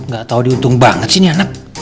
gak tau diuntung banget sih ini anak